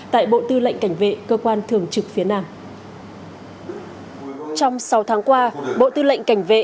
trong sáu tháng qua bộ tư lệnh cảnh vệ